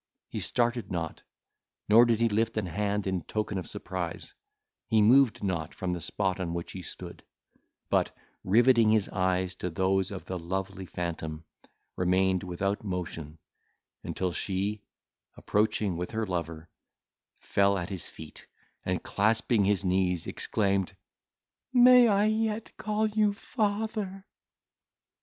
He started not, nor did he lift an hand in token of surprise; he moved not from the spot on which he stood; but, riveting his eyes to those of the lovely phantom, remained without motion, until she, approaching with her lover, fell at his feet, and clasping his knees, exclaimed, "May I yet call you father?"